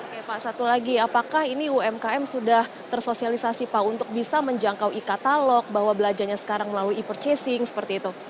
oke pak satu lagi apakah ini umkm sudah tersosialisasi pak untuk bisa menjangkau e katalog bahwa belajarnya sekarang melalui e purchasing seperti itu